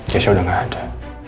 keisha udah gak ada